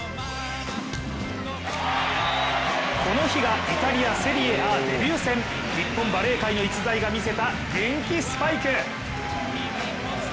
この日がイタリア、セリエＡ、デビュー戦。日本バレー界の逸材が見せた元気スパイク。